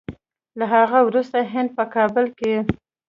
له هغه وروسته هند په کابل کې